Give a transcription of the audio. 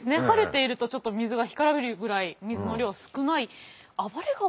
晴れているとちょっと水が干からびるぐらい水の量が少ない。